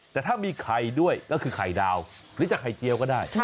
แต่ถ้ามีไข่ด้วยก็คือไข่ดาวหรือจะไข่เจียวก็ได้